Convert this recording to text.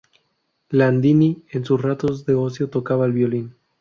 Landini, en sus ratos de ocio tocaba el violín.